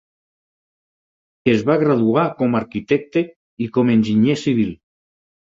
Es va graduar com arquitecte i com enginyer civil.